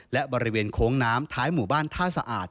และบริเวณโค้งน้ำท้ายหมู่บ้านท่าสะอาด